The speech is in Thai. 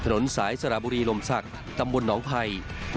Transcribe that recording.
ถนนสายสระบุรีลมศักดิ์ตำบลหนองภัย